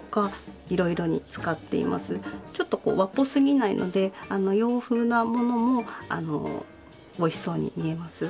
ちょっとこう和っぽすぎないので洋風なものもおいしそうに見えます。